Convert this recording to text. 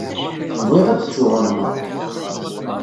Bɣiɣ ad d-ttuɣermeɣ.